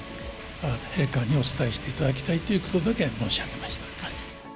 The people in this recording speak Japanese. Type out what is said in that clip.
陛下にお伝えしていただきたいということだけ申し上げました。